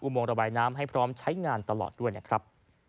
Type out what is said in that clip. โมงระบายน้ำให้พร้อมใช้งานตลอดด้วยนะครับ